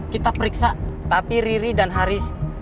kita periksa tapi riri dan haris